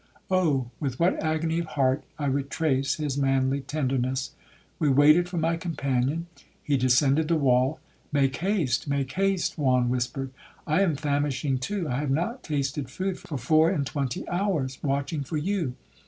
Oh, with what agony of heart I retrace his manly tenderness! We waited for my companion,—he descended the wall. 'Make haste, make haste,' Juan whispered; 'I am famishing too. I have not tasted food for four and twenty hours, watching for you.'